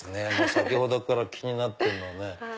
先ほどから気になってるのはね